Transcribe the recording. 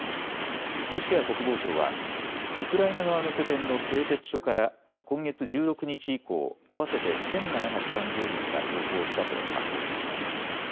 ロシア国防省はウクライナ側の拠点の製鉄所から今月１６日以降、合わせて１７３０人が投降したと発表しました。